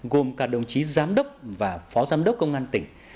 gồm cả đồng chí giám đốc và phó giám đốc công an tỉnh